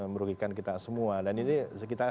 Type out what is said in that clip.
merugikan kita semua dan ini kita